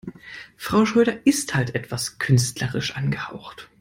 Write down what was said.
Frau Schröder ist halt etwas künstlerisch angehaucht.